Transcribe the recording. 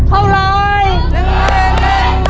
เท่าไหร่